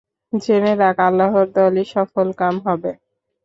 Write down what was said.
জেনে রাখ, আল্লাহর দলই সফলকাম হবে।